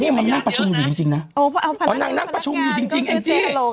นี่มันนั่งประชุมอยู่จริงจริงนะโอ้เอ้าพนักงานพนักงานนั่งนั่งประชุมอยู่จริงจริงเอ็งจี้